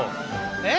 えっ？